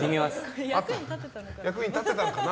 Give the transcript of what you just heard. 役に立てたのかな。